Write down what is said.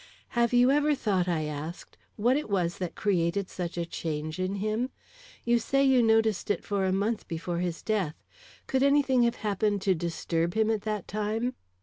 "Have you ever thought," I asked, "what it was that created such a change in him? You say you noticed it for a month before his death; could any thing have happened to disturb him at that time?"